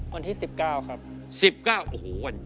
วันที่๑๙ครับ